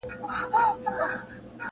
• نو بیا ولي ګیله من یې له اسمانه -